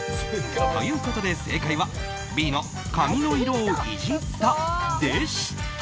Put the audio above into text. ということで、正解はＢの髪の色をイジったでした。